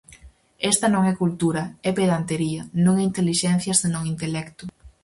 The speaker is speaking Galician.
Esta non é cultura, é pedantería; non é intelixencia senón intelecto.